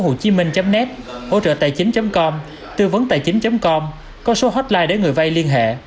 hồ chí minh net hỗ trợ tài chính com tư vấn tài chính com có số hotline để người vay liên hệ